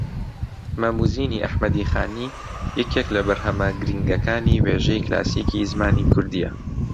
مەم و زینی ئەحمەدی خانی یەکێک لە بەرھەمە گرینگەکانی وێژەی کلاسیکی زمانی کوردییە